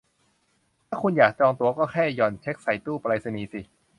ถ้าคุณอยากจองตั๋วก็แค่หย่อนเช็กใส่ตู้ไปรษณีย์สิ